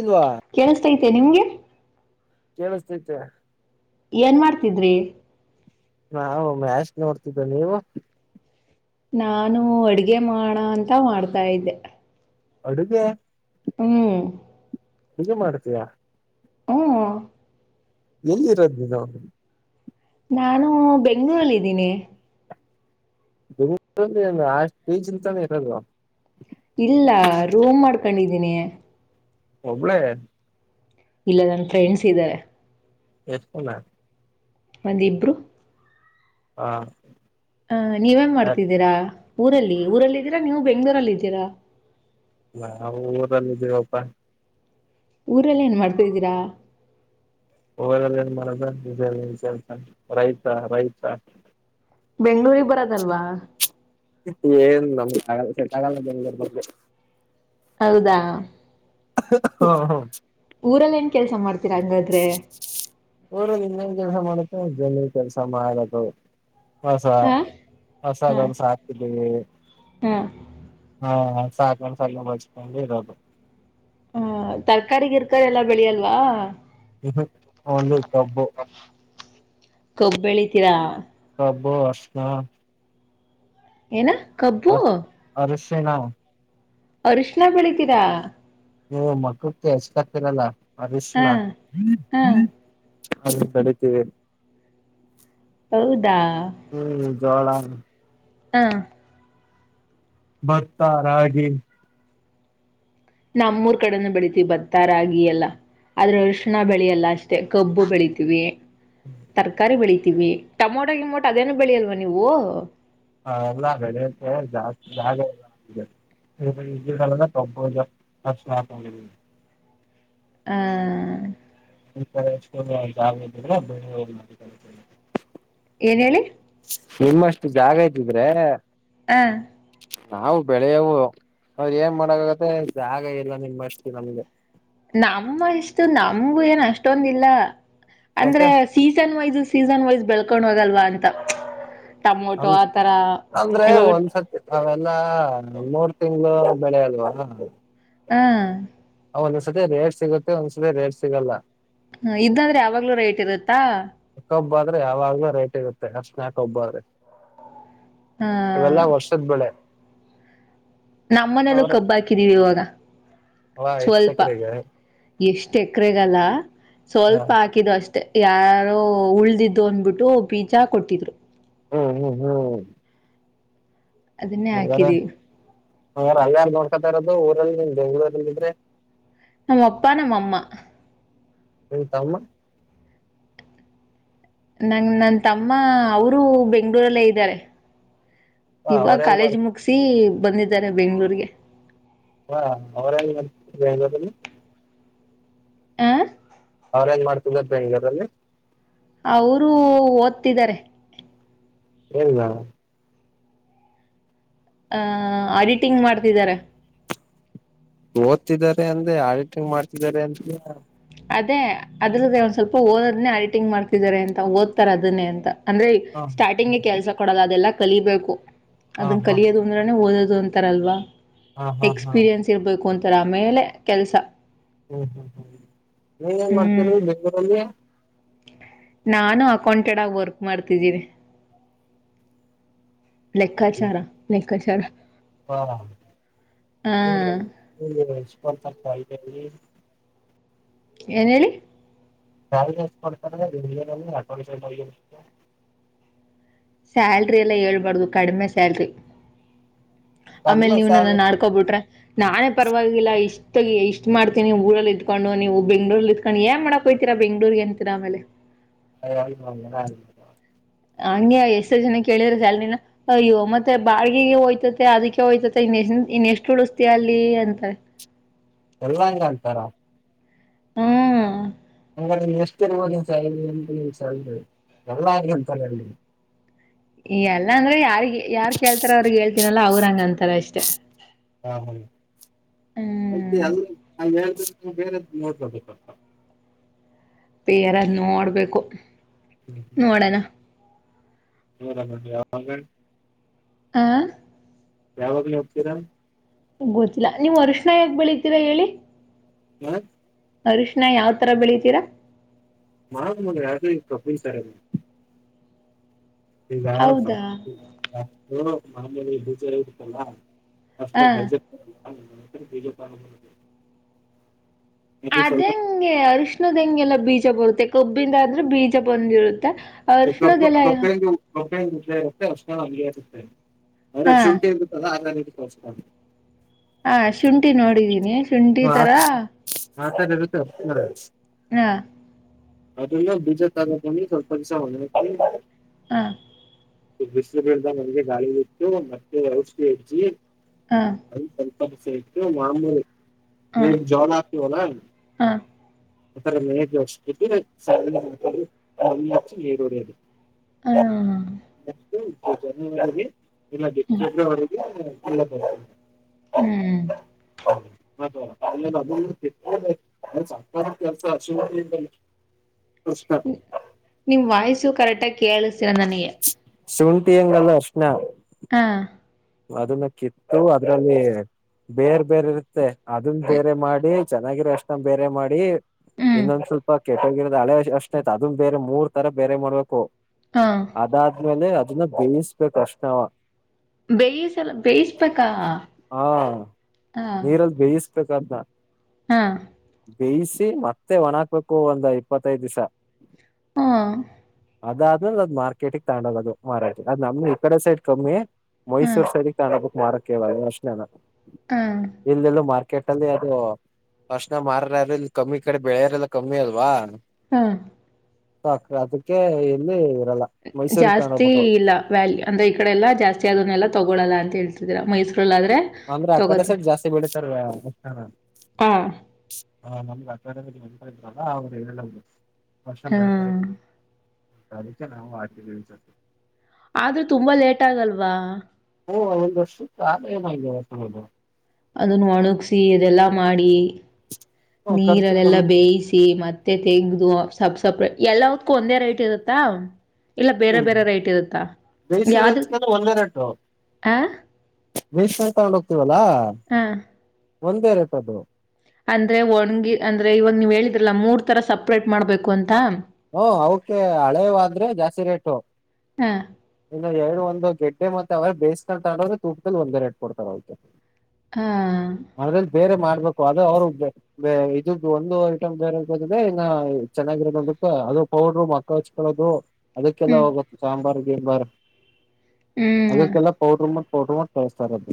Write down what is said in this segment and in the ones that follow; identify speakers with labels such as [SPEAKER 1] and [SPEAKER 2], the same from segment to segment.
[SPEAKER 1] ಇಲ್ವಾ
[SPEAKER 2] ತೆ ನಿಮ್ಗೆ
[SPEAKER 1] ಕೇಳ್ಸ್ತೈತೆ
[SPEAKER 2] ಏನ್ ಮಾಡ್ತಿದ್ರಿ
[SPEAKER 1] ನಾವು ಮ್ಯಾಚ್ ನೋಡ್ತಿದ್ದೇ ನೀವು
[SPEAKER 2] ನಾನು ಅಡಿಗೆ ಮಾಡಣ ಅಂ ತಮಾಡ್ತಾಯಿದ್ದೆ
[SPEAKER 1] ಅಡುಗೇ
[SPEAKER 2] ಹ್ಮ್
[SPEAKER 1] ನೀವ್ ಮಾಡ್ತೀಯಾ?
[SPEAKER 2] ಹೂ
[SPEAKER 1] ಎಲ್ಲಿರದ್ನಿನು
[SPEAKER 2] ನಾನು ಬೆಂಗಳೂರಲ್ಲಿ ಇದೀನಿ
[SPEAKER 1] [unintelligible] ಆಶ್ ಪಿ ಜಿಲ್ತಾನೆ ಇರದು
[SPEAKER 2] ಇಲ್ಲಾ ರೂಮ್ಮಾಡ್ಕಂಡಿದೀನಿ
[SPEAKER 1] ಒಬ್ಳೆ
[SPEAKER 2] ಇಲ್ಲ ನನ್ ಫ್ರೆಂಡ್ಸಿದರೆ
[SPEAKER 1] ಎಷ್ಟ್ಜನ
[SPEAKER 2] ಒಂದಿಬ್ಬ್ರು
[SPEAKER 1] ಹಾ
[SPEAKER 2] ಆ ನೀವೇನ್ಮಾಡ್ತಿದೀರಾ ಊರಲ್ಲಿ ಊರಲ್ಲಿದೀರಾ ನೀವು ಬೆಂಗಳೂರುರಲಿದಿರ
[SPEAKER 1] ನಾವು ಊರಲ್ಲಿದ್ದೀವಪ್ಪ
[SPEAKER 2] ಊರಲ್ಲೇನ್ಮಾಡ್ತಇದಿರಾ
[SPEAKER 1] ಊರಲ್ಲೇನ್ಮಾಡದು ಜಮೀನ್ಕೆಲ್ಸ ರೈತ ರೈತ
[SPEAKER 2] ಬೆಂಗ್ಳೂರ್ಗೆಬರೋದಲ್ವಾ
[SPEAKER 1] ಏನ್ ನಮ್ಗಗಾಲ್ ಸೆಟ್ಟಗಲ್ಲ ಬೆಂಗ್ಳುರ್ಗ್ಗ್ಬಂದ್ರೆ
[SPEAKER 2] ಹೌದಾ
[SPEAKER 1] ಹ್ಹ್ ಹ್ಹ್ಹ್ ಹ್ಹ್ [unintelligible]
[SPEAKER 2] ಕೆಲ್ಸ ಮಾಡ್ತೀರಾ ಹಂಗಾದ್ರೆ
[SPEAKER 1] ಹ್ ಜಮೀನ್ಕೆಲ್ಸ ಮಾಡದು ಅಸ
[SPEAKER 2] ಹಾ ಹಾ
[SPEAKER 1] ಅಸಗಳ್ಸಾಕಿದೀವಿ
[SPEAKER 2] ಹಾ
[SPEAKER 1] ಹಾ ಸಾಕಂಡ್ ಸಗಣಿಬಾಚ್ಕಂಡಿರದು
[SPEAKER 2] ಹಾ ತರ್ಕಾರಿ ಗಿರ್ಕಾರಿ ಎಲ್ಲ ಬೆಳಿಯಲ್ವ
[SPEAKER 1] ಉಹು ಓನ್ಲಿ ಕಬ್ಬು
[SPEAKER 2] ಕಬ್ಬೆಳೀತೀರಾ
[SPEAKER 1] ಕಬ್ಬು ಅರ್ಷ್ಣ
[SPEAKER 2] ಏನಾ ಕಬ್ಬು
[SPEAKER 1] ಶಿಣ
[SPEAKER 2] ಅರ್ಶ್ಣ ಬೆಳಿತಿರಾ
[SPEAKER 1] ಹೂ ಮಕುಕ್ಕೆ ಅಚ್ಕತಿರಲ್ಲ
[SPEAKER 2] ಹಾ
[SPEAKER 1] ಮದಷ್ಟಲ
[SPEAKER 2] ಹಾ
[SPEAKER 1] ಹದು ಕಡಿತೀವಿ
[SPEAKER 2] ಹೌದು ಹ
[SPEAKER 1] ಜೋಳ
[SPEAKER 2] ಹಾ
[SPEAKER 1] ಭತ್ತ ರಾಗಿ
[SPEAKER 2] ನಮ್ಮೂರ್ ಕಡೆನು ಬೆಳಿತೀವಿ ಭತ್ತ ರಾಗಿ ಎಲ್ಲಾ ಆದ್ರೆ ಅರ್ಶಣಾ ಬೆಳಿಲ್ಲ ಅಷ್ಟೇ ಕಬ್ಬು ಬೆಳಿತೀವಿ ತರಕಾರಿ ಬೆಳ್ಳಿ ಬೆಳಿತೀವಿ ಟಮೊಟೋ ಗಿಮೋಟ ಅದೇನು ಬೆಳಿಲ್ವ ನೀವು
[SPEAKER 1] ಹ ಎಲ್ಲ ಬೆಳೆಯಕ್ಕೆೆ ಜಾಸ್ ಜಾಗ ಇಲ್ಲ ಕಂಪೋಸ್ ಮಾಡ
[SPEAKER 2] ಹ್ಮ
[SPEAKER 1] [unintelligible]
[SPEAKER 2] ಏನ್ ಹೇಳಿ
[SPEAKER 1] ನಿಮ್ಮಷ್ಟು ಜಾಗ ಇದ್ದಿದ್ರೆ
[SPEAKER 2] ಹ
[SPEAKER 1] ನಾವು ಬೆಳೆಯವು ಆದ್ರೆ ಏನು ಮಾಡಕ್ಕಾಗತ್ತೆ ಜಾಗ ಇಲ್ಲ ನಿಮ್ಮ ಅಷ್ಟು ನಮ್ಗೆ
[SPEAKER 2] ನಮ್ಮ ಇಷ್ಟು ನಮಗು ಏನ್ ಅಷ್ಟೊಂದಿಲ್ಲ ಅಂದ್ರೆ
[SPEAKER 1] ಮತ್ತೆ
[SPEAKER 2] ಸೀಸನ್ ವೈಸ್ ಸೀಸನ್ ವೈಸ್ ಬೆಳ್ಕೊಂಡ್ ಹೋಗಲ್ವಾ ಅಂತ ಟೊಮೊಟೊ
[SPEAKER 1] ನಮ್
[SPEAKER 2] ಆತರ
[SPEAKER 1] ಅಂದ್ರೆ
[SPEAKER 2] ಇವಾಗ
[SPEAKER 1] ಒಂದ್ಸತಿ ಅವೆಲ್ಲಾ ಮೂರ್ ತಿಂಗ್ಗಳು ಬೆಳೆ ಅಲ್ವಾ
[SPEAKER 2] ಹಾ
[SPEAKER 1] ಒಂದೊಂದ್ ಸತಿ ರೇಟ್ ಸಿಗುತ್ತೆ ಒಂದೊಂದ್ ಸತಿ ರೇಟ್ ಸಿಗಲ್ಲ
[SPEAKER 2] ಹ ಇದ್ದಂದ್ರೆ ಯಾವಾಗ್ಲೂ ರೇಟ್ ಇರುತ್ತಾ
[SPEAKER 1] ಕಬ್ಬು ಆದ್ರೆ ಯಾವಾಗ್ಲೂ ರೇಟ್ ಇರುತ್ತೆ ಅರಿಶಿಣ ಕಬ್ಬು ಆದ್ರೆ
[SPEAKER 2] ಹ
[SPEAKER 1] ಇವೆಲ್ಲಾ ವರ್ಷದ ಬೆಳೆ
[SPEAKER 2] ನಮ್ಮನೇಲ್ಲೂ
[SPEAKER 1] ಅವ್ರ
[SPEAKER 2] ಕಬ್ಬು ಹಾಕಿದೀವಿ ಇವಾಗ
[SPEAKER 1] ವಾ ಎಷ್ಟ್
[SPEAKER 2] ಸ್ವಲ್ಪ
[SPEAKER 1] ಎಕರೆಗೆ
[SPEAKER 2] ಎಷ್ಟ್ ಎಕರೆಗಲ್ಲ
[SPEAKER 1] ಹ
[SPEAKER 2] ಸ್ವಲ್ಪ ಹಾಕಿದು ಅಷ್ಟೆ ಯಾರೋ ಉಳ್ದಿದ್ದು ಅನ್ಬಿಟ್ಟು ಬೀಜ ಕೊಟ್ಟಿದ್ರು
[SPEAKER 1] ಹ್ಮ್ ಹ್ಮ್ ಹ್ಮ್
[SPEAKER 2] ಅದುನ್ನೇ ಹಾಕಿದೀವಿ
[SPEAKER 1] ಹ ಅಲ್ಲಯಾರು ನೋಡ್ಕತಾ ಇರೋದು ಊರಲ್ಲಿ ಬೆಂಗಳೂರಲ್ಲಿ ಇದ್ರೆ
[SPEAKER 2] ನಮ್ಮ ಅಪ್ಪಾ ನಮ್ಮ ಅಮ್ಮ
[SPEAKER 1] ನಿನ್ ತಮ್ಮ
[SPEAKER 2] ನಂ [unintelligible] ನನ್ ತಮ್ಮ ಅವರು ಬೆಂಗಳೂರಲ್ಲೇ ಇದ್ದಾರೆ
[SPEAKER 1] ವಾ
[SPEAKER 2] ಇವಾಗ
[SPEAKER 1] ಅವ್ರೇನ್ ಮಾಡ್
[SPEAKER 2] ಕಾಲೇಜ್ ಮುಗಸಿ ಬಂದಿದ್ದಾರೆ ಬೆಂಗಳೂರಿಗೆ
[SPEAKER 1] ಹಾ ಅವರ ಎಲ್ಲಿ ಇರೋದಿಲ್ಲಿ
[SPEAKER 2] ಹಾ
[SPEAKER 1] ಅವರೇನು ಮಾಡ್ತಿರೋದು ಬೆಂಗಳೂರಲ್ಲಿ
[SPEAKER 2] ಅವರು ಓದ್ತಿದ್ದಾರೆ
[SPEAKER 1] ಏನ್ನಾ
[SPEAKER 2] ಆಹ ಆಡಿಟಿಂಗ್ ಮಾಡ್ತಿದ್ದಾರೆ
[SPEAKER 1] ಓದ್ತಿದ್ದಾರೆ ಅಂದ್ರೆ ಆಡಟಿಂಗ್ ಮಾಡ್ತಿದ್ದಾರೆ ಅಂತ
[SPEAKER 2] ಅದೇ ಅದ್ರ್ದ ಒಂದ್ ಸ್ವಲ್ಪ ಓದೋಧ್ನೆ ಅಡಿಟಿಂಗ್ ಮಾಡ್ತಿದಿದ್ದಾರೆ ಅಂತ ಓದ್ತಾರೆ ಅದನ್ನೇ ಅಂತ ಅಂದ್ರೆ
[SPEAKER 1] ಹ
[SPEAKER 2] ಸ್ಟಾರ್ಟಿಂಗ್ಗೆ ಕೆಲ್ಸ ಕೊಡಲ್ಲ ಅದೆಲ್ಲ ಕಲಿಬೇಕು
[SPEAKER 1] ಹ
[SPEAKER 2] ಅದನ್ನ
[SPEAKER 1] ಹ
[SPEAKER 2] ಕಲಿಯೋದು ಅಂದ್ರೆ ಓದೋದು ಒಂತರಾ ಅಲ್ವಾ
[SPEAKER 1] ಹ ಹ ಹ
[SPEAKER 2] ಎಕ್ಸ್ಪೀರಿಯನ್ಸ್ ಇರ್ಬೇಕು ಅಂತ ರ [unintelligible] ಆಮೇಲೆ ಕೆಲ್ಸ
[SPEAKER 1] ಹ್ಮ್ ಹ್ಮ್ ಹ್ಮ್ ನೀವ್ ಏನ್
[SPEAKER 2] ಹ್ಮ್
[SPEAKER 1] ಮಾಡ್ತೀರಿ ಬೆಂಗಳೂರಲ್ಲಿ
[SPEAKER 2] ನಾನು ಅಕೌಂಟೆಡ್ ಆಗಿ ವರ್ಕ್ ಮಾಡ್ತಿದ್ದೀನಿ ಲೆಕ್ಕಾಚಾರ ಕಚ್ರ
[SPEAKER 1] ಹ [inaudible] [unintelligible]
[SPEAKER 2] ಏನೇಳಿ
[SPEAKER 1] ಸ್ಯಾಲ್ ರಿ ಎಷ್ಟ್ ಕೊಡ್ತಾರೆ ಬೆಂಗ್ಳೂರಲ್ಲಿ ಅಕೌಂಟ್ [unintelligible]
[SPEAKER 2] ಸ್ಯಾಲ್ರಿ ಎಲ್ಲ ಹೇಳ್ಬಾರ್ದು ಕಡ್ಮೆ ಸ್ಯಾಲ್ರಿ ಆಮೇಲ್ ನೀವ್
[SPEAKER 1] ಸ್ಯಾಲರಿ
[SPEAKER 2] ನನ್ನನ್ ಆಡ್ಕೋಬಿಟ್ರೆ ನಾನೇ ಪರ್ವಾಗಿಲ್ಲ ಇಷ್ಟು - ಮಾಡ್ತೀನಿ ಊರಲ್ ಇದ್ಕೊನ್ಡು ನೀವು ಬೆಂಗಳೂರ್ಲ್ಲಿ ಇದ್ಕನ್ಡು ಏನ್ ಮಾಡಕಹೊ ಯತೀರಾ ಬೆಂಗಳೂರ್ಗೆ ಅಂತೀರ ಆಮೇಲೆ
[SPEAKER 1] [unintelligible]
[SPEAKER 2] ಹಂಗೆ ಎಷ್ಟ ಜನ ಕೇಳ್ರ ಸ್ಯಾಲರಿ ನಾ ಅಯ್ಯೋ ಮತ್ತೆ ಬಾಡಗಿಗೆ ಹೋಯ್ತಯ್ತೆ ಅದಕ್ಕೆ ಹೋಯ್ತಯ್ತೆ [unintelligible] ಇನ್ ಎಷ್ಟು ಉಳ್ಸ್ತೀಯ ಅಲ್ಲಿ ಅಂತ
[SPEAKER 1] ಎಲ್ಲಾ ಹಂಗ ಅಂತಾರ
[SPEAKER 2] ಹ್ಮ್
[SPEAKER 1] ಅಲ್ಲ [unintelligible] ಎಷ್ಟ ಇರ್ಬೋದ ನಿನ್ [unintelligible] ಸ್ಯಾಲರಿ ಎಲ್ಲಾ ಅಂಗೆ ಅಂತಾರೆ
[SPEAKER 2] ಎಲ್ಲಾ ಅಂದ್ರೆ ಯಾರಿಗೆ ಯಾರ್ ಕೇಳ್ತಾರೆ ಅವ್ರಿಗೆ ಹೇಳ್ತೀನ [unintelligible] ಅವ್ರಂಗ ಅಂತಾರ ಇಷ್ಟೇ
[SPEAKER 1] ಹಾ ಹಾ ಮತ್ತೆ ಎಲ್ಲರೂ ಅಂಗೆ [unintelligible] [unintelligible] ಬೇರೆನ್ನ ನೋಡ್ಕೊಬೇಕಪ್ಪ [unintelligible]
[SPEAKER 2] ಬೇರಾದ್ ನೋಡ್ಬೇಕು ನೋಡೋಣ
[SPEAKER 1] ಇರಂಗ [unintelligible]
[SPEAKER 2] ಆ
[SPEAKER 1] ಯಾವಾಗ್ಲೇ [unintelligible] ಹೋಗ್ತೀರ
[SPEAKER 2] ಗೊತ್ತಿಲ್ಲಾ ನೀವು್ ಅರ್ಶಣ ಯಾಕ [unintelligible] ಬೆಳಿತೀರಾ ಹೇಳಿ
[SPEAKER 1] ಏನು
[SPEAKER 2] ಅರಿಶಿನ ಯಾವ್ ತರ ಬೆಳಿತೀರಾ
[SPEAKER 1] [unintelligible] ಈಗ ಸ
[SPEAKER 2] ಹೌದಾ
[SPEAKER 1] [unintelligible] ಬ್ರೋ ಮಾಮೂಲಿ ಬೀಜ ಇರುತಲ್ಲ ಅಷ್ಟ
[SPEAKER 2] ಹ
[SPEAKER 1] [unintelligible] ಅ [inaudible]
[SPEAKER 2] ಅದೆಂಗೆ ಅರ್ಶ್ಣದ ಹೆಂಗೆಲ್ಲ ಬೀಜ್ ಬೀಜ ಬರುತ್ತೆ ಕಬ್ಬಿಂದ ಅ ಆದ್ರೆ ಬೀಜ ಬಂದಿರುತ್
[SPEAKER 1] ಕ [inaudible] [unintelligible] ಅಲ್ಲೆ ಇರುತ್ತೆ
[SPEAKER 2] ಹಾ
[SPEAKER 1] [unintelligible] ಶುಂಠಿ ಇರುತಲ್ಲ ಹಾಗಗ್ [inaudible]
[SPEAKER 2] ಹಾ ಶುಂಠಿ ನೋಡಿದೀನಿ ಶುಂಠಿ ತರ
[SPEAKER 1] ಆತದ್ ಇರುತ್ತೆ [unintelligible]
[SPEAKER 2] ಹ್ಮ್
[SPEAKER 1] ಹದು ಬೀಜ [unintelligible] ಸ್ವಲ್ಪ ದಿಸ ಹೊಂಗೊ [inaudible]
[SPEAKER 2] ಹಾ
[SPEAKER 1] ಬಿಸಿಲು ಬೀಳ್ದ ಮಂಗೆ ಗಾಳಿ ಬಿಟ್ಟತ್ತು ಮತ್ತೆ ಔಷಧಿ ಹೆಡ್ಜಿ
[SPEAKER 2] ಹಾ
[SPEAKER 1] ಸೇ [unintelligible] ಮಾಮೂಲಿ
[SPEAKER 2] ಹ
[SPEAKER 1] [unintelligible] ಜೋಳ್ ಹಾಕ್ತಿತ್ವಲ್ವಾ
[SPEAKER 2] ಹ
[SPEAKER 1] [unintelligible] ನೀರೋಡಿಯೋದು [inaudible] [inaudible]
[SPEAKER 2] ಹ
[SPEAKER 1] ಇಲ್ಲ [unintelligible]
[SPEAKER 2] ಹ್ಮ್
[SPEAKER 1] ಫೆಬ್ರವರಿಗೆ [inaudible]
[SPEAKER 2] ಹ್ಮ್
[SPEAKER 1] ಹೌ ನ [unintelligible] ಸರ್ಕಾರ ಕೆಲಸ ಅಷ್ಟ
[SPEAKER 2] ನಿ ನಿಮ್ ವಾಯ್ಸು ಕರೆಕ್ಟ್ ಕೇಳಸ ಚರಂದನೆಯ [unintelligible]
[SPEAKER 1] ಶುಂಠಿ ಹೆಂಗಲ್ಲ ಅರಿಶಿನ
[SPEAKER 2] ಹಾ
[SPEAKER 1] ಅದನ್ನ ಕಿತ್ತು ಅದ್ರಲ್ಲಿ ಬೇರ್ ಬೇರ್ ಇರುತ್ತೆ ಅದನ್ ಬೇರೆ ಮಾಡಿ ಚೆನ್ನಾಗಿರೊನ ಅರಿಶಿಣ ಬೇರೆ ಮಾಡಿ
[SPEAKER 2] ಹ್ಮ್
[SPEAKER 1] ಇನ್ನೊಂದ್ ಸ್ವಲ್ಪ ಕೆಟ್ಟೋಗಿರದ ಹಳೆ ಅರಿಶಿಣ ಆಯತ ಅದನ್ ಬೇರೆ ಮೂರ್ ತರ ಬೇರೆ ಮಾಡ್ಬೇಕು
[SPEAKER 2] ಹಾ
[SPEAKER 1] ಅದಾದ್ಮೇಲೆ ಅದ್ ಇದನ್ನ ಬೇಯಿಸಬೇಕು ಕಷ್ಟ
[SPEAKER 2] ಬೇಯಿಸಲ್ಲ ಬೇಯಿಸ್ಬೇಕಾ ಹ - ಹ
[SPEAKER 1] ್ದ [unintelligible]
[SPEAKER 2] ಹಾ
[SPEAKER 1] ಬೇಯಿಸಿ ಮತ್ತೆ ಒಣ ಹಾಕ್ಬೇಕು ಒಂದ ಇಪ್ಪತ್ತೈದ್ ದಿಸ
[SPEAKER 2] ಹಾ
[SPEAKER 1] ಅದಾದ್ರ ಅದ್ ಮಾರ್ಕೆಟಿಗೆ ತಗೊಂಡೋದ ಅದು ಮಾರೋದ್ ಅ ನಮ್ ಈ ಕಡೆ ಸೈಡ್ ಕಮ್ಮಿ
[SPEAKER 2] ಹಾ
[SPEAKER 1] ಮೈಸೂರು ಸೈರಿ ಕಾಣಬು ಮಾರ ಒಳ್ಳೆ ಪ್ರಶ್ನಾನ [unintelligible]
[SPEAKER 2] ಹಾ
[SPEAKER 1] ಎಲ್ಲೆಲ್ಲ ಮಾರ್ಕ ಏಕೆಂದ್ರೆ ಅದುಅರ್ಶನ ಮಾರ ಯಾರರು ಇಲ್ಲಿ ಕಮ್ಮಿ ಕಡೆ ಬೆಳೆಯರೆಲ್ಲ ಕಮ್ಮಿ ಅಲ್ವಾ
[SPEAKER 2] ಹಾ
[SPEAKER 1] ಸಾಕ ಅದಕ್ಕೆ ಇಲ್ಲಿ ಇರಲ್ಲ ಮೈಸೂರಿಗೆ ತಗೊಂಡ
[SPEAKER 2] ಜಾಸ್ತಿ
[SPEAKER 1] ಹೋಗ್ಬೇಕು
[SPEAKER 2] ಇಲ್ಲ ವ್ಯಾಲಿ ಅಂದ್ರೆ ಈ ಕಡೆ ಎಲ್ಲಾ ಜಾಸ್ತಿ ಆದದನ್ನೆಲ್ಲ ತಗೊಳಲ್ಲ ಅಂತ ಹೇಳ್ತಿದರ ಮೈಸೂರ್
[SPEAKER 1] ಅಂದ್ರೆ ಆ ಕಡೆ ಸೈಡ್ ಜಾಸ್ತಿ ಬೆಳಿತಾರ
[SPEAKER 2] ಹ
[SPEAKER 1] ಹಾ ನಮ್ಗ್ ಅಕಾಡೆಮಿ ಎಂತ ಇದಿದ್ರಲ್ಲ ಅವ್ರು ಹೇಳಲ್ಲರು ಅಷ ಬತ
[SPEAKER 2] ಹ್ಮ್
[SPEAKER 1] [unintelligible] ಅದಿಕೆ ನಾವು ಹಾಕಿದೀವಿ ಸರ್
[SPEAKER 2] ಆದ್ರೂ ತುಂಬಾ ಲೇಟ್ ಆಗಲ್ವಾ
[SPEAKER 1] ಹ ಅವು ಮಾಡವ [unintelligible]
[SPEAKER 2] ಅದನ್ನು ಒಣಗಸಿ ಅದೆಲ್ಲಾ ಮಾಡಿ
[SPEAKER 1] ಖರ್ಚು
[SPEAKER 2] ನೀರಲ್ಲೆಲ್ಲ
[SPEAKER 1] ಕಮ್ಮಿ
[SPEAKER 2] ಬೇಯಿಸಿ ಮತ್ತೆ ತೆಗ್ದು ಸಪ್ ಸಪ್ರೇಟ್ ಎಲ್ಲ ಹತ್ಕ್ಕೂ ಒಂದೇ ರೈಟ್ ಇರುತ್ತಾ ಇಲ್ಲ ಬೇರೆ ಬೇರೆ ರೈಟ್ ಇರುತ್ತಾ ಯಾವ್ದ
[SPEAKER 1] ಬೇಯಿಸಿರೋದಕ್ಕಿಂತ
[SPEAKER 2] ಆ
[SPEAKER 1] ಬೇಯಿಸ್ಕೊಂಡು ತಗೊಂಡ ಹೋಗ್ತಿವಲ್ಲ ಲಾ
[SPEAKER 2] ಹ
[SPEAKER 1] ಒಂದೇ ರತದು
[SPEAKER 2] ಅಂದ್ರೆ ಒಣಗಿ ಅಂದ್ರೆ ಇವಾಗ ನೀವ್ ಹೇಳಿದ್ರಲ್ಲ ಮೂರ್ ತರ ಸಪ್ರೇಟ್ ಮಾಡ್ಬೇಕು ಅಂತ
[SPEAKER 1] ಹ ಅವಕೆ ಹಳೇವ್ ಆದ್ರೆ ಜಾಸ್ತಿ ರೇಟ್
[SPEAKER 2] ಹ
[SPEAKER 1] ಇನ್ನು ಎರಡು ಒಂದು ಗೆಟ್ ಮತ್ತೆ ಅವ್ರ ಬೇಯಿಸಿಕೊಂಡು ತಗೊಂಡೋದ್ರೆ ತೂಕ್ದಲ್ಲಿ ಒಂದೇ ರೇಟ್ ಕೊಡ್ತಾರೆ ಅದ್ಕೇನ್
[SPEAKER 2] ಹಾ
[SPEAKER 1] ಬೇಕು ಆದ್ರೆ ಅವ್ರು ಇದದ್ ಒಂದು ಐಟಮ್ ಬೇರೆದ್ರೆ ತಗದ್ರೆ ಇನ್ನ ಚೆನ್ನಾಗಿರ ಮ ಅದು ಪೌಡ್ರು ಮೊಕ್ಕ ಹಚ್ಕೊಳ್ಳೋದು ಅದಕ್ಕೆಲ್ಲ
[SPEAKER 2] ಹ್ಮ್
[SPEAKER 1] ಹೋಗುತ್ತು ಸಾಂಬಾರ್ ಮಾರ ಅದ
[SPEAKER 2] ಹ್ಮ್
[SPEAKER 1] ಎಲ್ಲ ಪೌಡ್ [unintelligible] ಟಕೊಂಡೇಳ್ತಾರೆ ಅದ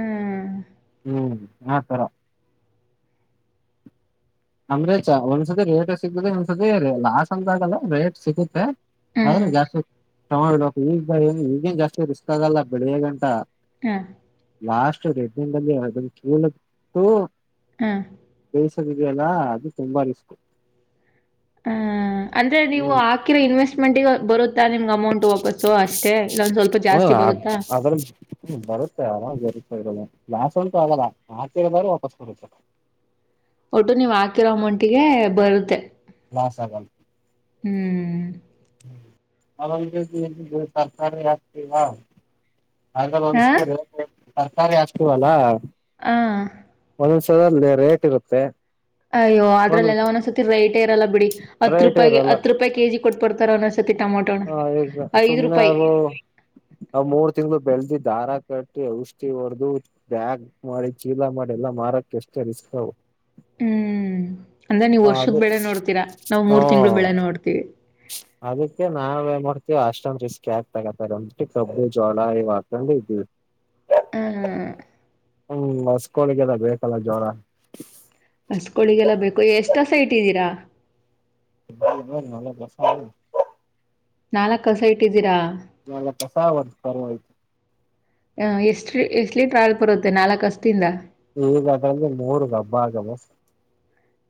[SPEAKER 2] ಹ್ಮ್
[SPEAKER 1] ಹ್ಮ್ ಆತರ ಅಮ್ರಚಾ ಒಂದ್ಸತಿ ರೇಟ ಸಿಗ್ಬುದ ಒಂದ್ ಸದ ರೀ ಲಾಸ್ ಅಂದಾಗಲ್ಲ ರೇಟ್ ಸಿಗುತ್ತೆ ಹೌರ
[SPEAKER 2] ಹ್ಮ್
[SPEAKER 1] [unintelligible] ಜಾಸ್ತಿ [unintelligible] ತಗೊಂಡ್ಡ ಈಗ ಬಏ ಈಗೇನ್ [unintelligible] ಜಾಸ್ತಿ ರಿಸ್ತ ಆಗಲ್ಲ ಬೆಳಿಗೆ ಗಂಟ
[SPEAKER 2] ಹಾ [unintelligible]
[SPEAKER 1] ಲಾಸ್ಟ್ ಎಡ್ ದಿನ ಕೇಳ ಬಿಟ್ಟು
[SPEAKER 2] ಹಾ
[SPEAKER 1] ಸಿದೆಯಲ್ಲಾ ಅದು ತುಂಬಾ ರಿಸಷ್ಟ್ತು
[SPEAKER 2] ಹ ಅಂದ್ರೆ ನೀವು ಹಾಕಿರೋ ಇನ್ವೆಸ್ಟ್ಮೆಂಟ್ಗ ಬರು ನಿಮ್ಗೆ ಅಮೌಂಟ್ ವಾಪಸ್ಸು ಅಷ್ಟೇ ಇಲ್ಲೊಂದ ಸ್ವಲ್ಪ ಜಾಸ್ತಿ ಬರುತ್ತಾ
[SPEAKER 1] ಅದ್ರಲ್ಲಿ ಬರುತ್ತೆ ಆರಾಮ್ ಬರುತ್ತೆ ಲಾಸ್ ಅಂತು ಆಗಲ್ಲ ಆಕಿರದಾರು ವಾಪಸ್ ಕೊಡುತ್ತ
[SPEAKER 2] ಒಟ್ಟು ನೀವು ಹಾಕಿರೋ ಅಮೌಂಟಿಗೆ ಬರುತ್ತೆ
[SPEAKER 1] [unintelligible] ಲ ಸಗ
[SPEAKER 2] ಹ್ಮ್
[SPEAKER 1] ಅ ತತಳ [unintelligible] ಆತಿ ಹಾ [unintelligible] ಹಾಗ ಒಂದ
[SPEAKER 2] ಹಾ
[SPEAKER 1] [unintelligible] ತರ್ಕಾರಿ ಅಷ್ಟವಲ್ಲ
[SPEAKER 2] ಹ [unintelligible]
[SPEAKER 1] ಒಂದೊಂದು ಸಲ ರೇಟ್ ಇರುತ್ತೆ
[SPEAKER 2] ಅಯ್ಯೋ ಅ್ರಲ್ಲ
[SPEAKER 1] ಒಂದೊಂದ್
[SPEAKER 2] ಒಂದೊ್ಸ ರೇಟ ಇಲ್ಲ ಬಿಡಿ ಹತ್
[SPEAKER 1] ರೈಟೇ
[SPEAKER 2] ರೂಪಾಯಿಗೆ
[SPEAKER 1] ಇರಲ್ಲ
[SPEAKER 2] ಹತ್ತು ರೂಪಾಯಿ ಕೆಜಿ ಕೊಟ್ಟುಬಡ್ತಾರೆ ಒಂದೊಂದ್ಸತಿ ಟಮಾಟ
[SPEAKER 1] [unintelligible] ಹ ಈಗ ಸುಮ್ನೆ ಅ ಮೂರ್ ತಿಂಗ್ಗಳು ಬೆಳೆದಿ ದಾರ ಕಟ್ಟಿ ಔಷಿ ಹೊಡೆದು ಬ್ಯಾಗ್ ಮಾಡಿ ಚೀಲ ಮಾಡಿ ಎಲ್ಲಾ ಮಾರಕ ಎಷ್ಟೇ ರಿಸ್ಕ್
[SPEAKER 2] ಹ್ಮ್ ಅಂದ್ರೆ ನೀವ್
[SPEAKER 1] ಹ
[SPEAKER 2] ವರ್ಷದ
[SPEAKER 1] ಅದೇ
[SPEAKER 2] ಬೆಳೆ ನೋಡ್ತೀರಾ ನಾವವು ಮೂರ್ ತಿಂಗಳ
[SPEAKER 1] ಹ್ಮ
[SPEAKER 2] ಬೆಳೆ ನೋಡ್ತೀವಿ
[SPEAKER 1] ಅದಕ್ಕೆ ನಾವ ಏನ್ ಮಾಡೋಡ್ತೀ ಅಷ್ಟಮ ರಿಸ್ಕಕ್ ತಗತಾರೆ ಅಂದ್ಬಿಟ್ಟಿ ಕಬ್ಬು ಜೋಳ ಇವ ಹಾಕೊಂಡು ಇದ್ವಿ
[SPEAKER 2] ಹಾ ಹಾ
[SPEAKER 1] ಹ್ಮ್ ಹೊಸ್ಕೋಳಿಗೆದ ಬೇಕಲ್ಲ ಜ್ವರ
[SPEAKER 2] ಎಷ್ಟೊ ಸೈಟ್ ಇದ್ದೀರಾ
[SPEAKER 1] ಬ ಅಲ್ಲ ಕಸ
[SPEAKER 2] ನಾಲ್ಕ್ ಕಸ ಇಟ್ಟಿದ್ದೀರಾ
[SPEAKER 1] ನ [unintelligible] ಕಸಾವರ್ ಸ [unintelligible] ಇತ
[SPEAKER 2] ಹ ಎಷ್ಟ ಎಷ್ಟಲಿ ಟ್ರಾವೆಲ್ ಬರುತ್ತೆ ನಾಲ್ಕು ಅಷ್ಟತಿಂದ
[SPEAKER 1] ಈಗ ಅದಂದ್ರೆ ಮೂರುಗ ಹಬ್ಬ ಅಗ ಬಸ್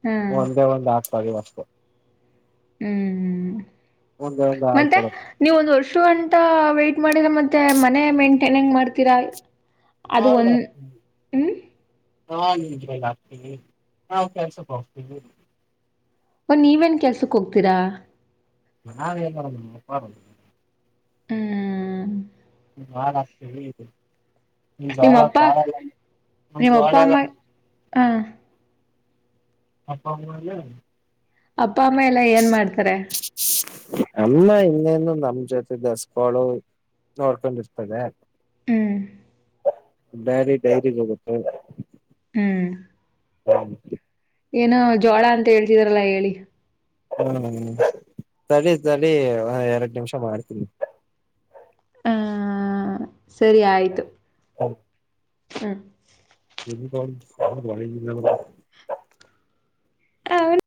[SPEAKER 2] ಹಾಂ
[SPEAKER 1] ಒಂದೇ ಒಂದ್ ಹಾಕ್ [unintelligible] [inaudible]
[SPEAKER 2] ಹ್ಮ್
[SPEAKER 1] ಒಂದೇ ಒಂದ್ ಹಾಲ್
[SPEAKER 2] ಮತ್ತೆ
[SPEAKER 1] ಕೊಡದು
[SPEAKER 2] ನೀವ ಒಂದ್ ವರ್ಷ ಅಂತ ವೈಟ್ ಮಾಡಿರ ಮತ್ತೆ ಮನೆ ಮೇಂಟೈನ್ ಹೆಂಗ್ ಮಾಡ್ತೀರಾ
[SPEAKER 1] [unintelligible]
[SPEAKER 2] ಅದು ಒಂದ್ ಹ್ಮ್
[SPEAKER 1] ನಾವು ಕೆಲಸಕ್ಕೆ ಹೋಗ್ತಿವಿ
[SPEAKER 2] ಒನ್ ನೀವೇನ್ ಕೆಲ್ಸಕ್ ಹೋಗ್ತೀರಾ
[SPEAKER 1] ನಾವ್ ಏನ್ ಮೇಡಂ ಹೋದ್ರೆ
[SPEAKER 2] ಹ್ಮ್
[SPEAKER 1] ಮಾಲಾಕ್ತೀವಿ
[SPEAKER 2] ನಿಮ್ಮ ಅಪ್ಪಾ ನಿಮ್ಮ ಅಪ್ಪ
[SPEAKER 1] ಜೋಳ
[SPEAKER 2] ಅಮ್ಮ ಹಾ [unintelligible]
[SPEAKER 1] ನಿಮ್ಮಪ್ಪ ಇರ್ಲಿ
[SPEAKER 2] ಅಪ್ಪ್ ಕಮಲ ಏನ್ ಮಾಡುತೀರಾ
[SPEAKER 1] ಎಲ್ಲಾ ಇನ್ನೇನು ನಮ್ ಜೊತೆಗೆ ಸ್ಕೂಲ್ ನೋಡ್ಕೊಂಡಿರ್ತಾದ
[SPEAKER 2] ಹ್ಮ್
[SPEAKER 1] ಡೈರಿ ಡೈರಿ ಹೋಗುತ್ತ [unintelligible]
[SPEAKER 2] ಏನು ಜೋಳ ಅಂತ ಹೇಳ್ತಿದ್ರಲ್ಲ ಹೇಳಿ
[SPEAKER 1] ಹ್ಮ್ ತಡಿ ತಡಿ ಎರಡು ನಿಮಿಷ ಮಾಡ್ತೀನಿ
[SPEAKER 2] ಹ್ಮ ಆ ಸರಿ ಆಯ್ತು
[SPEAKER 1] [unintelligible]
[SPEAKER 2] ಹ್ಮ್
[SPEAKER 1] [unintelligible]
[SPEAKER 2] ಹ